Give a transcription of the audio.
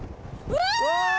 うわ！